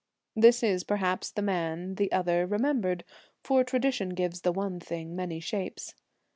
This is perhaps the man the other remembered, for tradition gives the one thing many shapes.